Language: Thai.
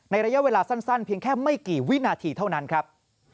ระยะเวลาสั้นเพียงแค่ไม่กี่วินาทีเท่านั้นครับ